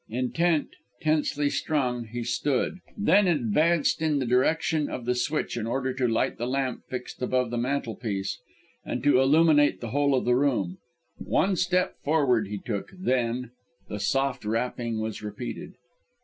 Intent, tensely strung, he stood; then advanced in the direction of the switch in order to light the lamp fixed above the mantel piece and to illuminate the whole of the room. One step forward he took, then ... the soft rapping was repeated.